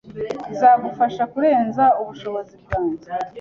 Nzagufasha kurenza ubushobozi bwanjye.